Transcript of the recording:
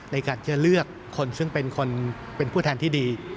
ในการจะเลือกคนซึ่งเป็นคนเป็นผู้แทนที่ดี